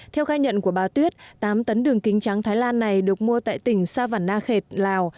theo khai nhận của bà tuyết tám tấn đường kính trắng thái lan này được mua tại tỉnh sa văn na khệt lào